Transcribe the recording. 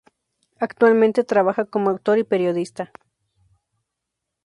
Actualmente trabaja como autor y periodista.